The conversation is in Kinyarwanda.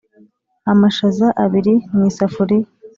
amashaza abiri mu isafuriya